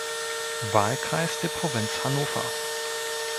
Wahlkreis der Provinz Hannover.